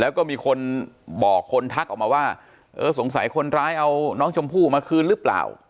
แล้วก็มีคนบอกคนทักออกมาว่าเออสงสัยคนร้ายเอาน้องชมพู่มาคืนหรือเปล่า